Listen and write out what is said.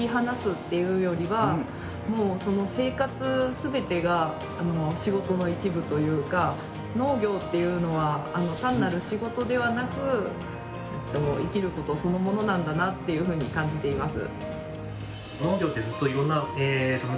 最後にセンパイにとってかなり農業っていうのは単なる仕事ではなく生きることそのものなんだなっていうふうに感じています。